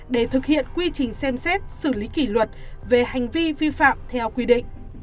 để thực hiện quy trình xem xét xử lý kỷ luật về hành vi vi phạm theo quy định